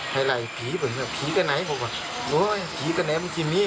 ไฮไลน์ผีเหมือนกันผีกันไหนว่ากว่าโอ้ยผีกันไหนมันที่นี่